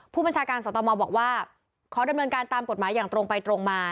ผู้บัญชาการสตมบอกว่าขอดำเนินการตามกฎหมายอย่างตรงไปตรงมา